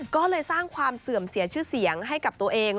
ก็เลยสร้างความเสื่อมเสียชื่อเสียงให้กับตัวเอง